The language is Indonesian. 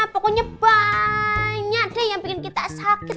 pokoknya banyak deh yang bikin kita sakit